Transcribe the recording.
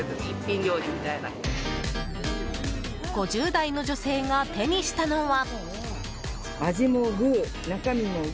５０代の女性が手にしたのは。